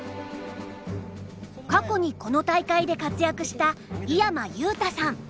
過去にこの大会で活躍した井山裕太さん。